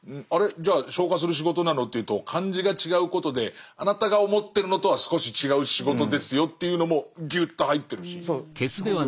じゃあ「消火」する仕事なの？というと漢字が違うことであなたが思ってるのとは少し違う仕事ですよっていうのもギュッと入ってるし魅力的。